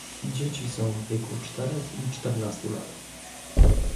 Dzieci są w wieku czterech i czternastu lat